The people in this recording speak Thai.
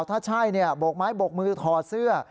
ถ้าใช่โบกไม้บกมือถอดเสื้อ